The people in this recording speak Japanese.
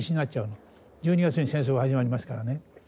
１２月に戦争が始まりますからね。